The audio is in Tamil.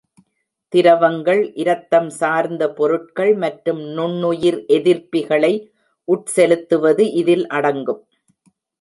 திரவங்கள், இரத்தம் சார்ந்த பொருட்கள் மற்றும் நுண்ணுயிர் எதிர்ப்பிகளை உட்செலுத்துவது இதில் அடங்கும்.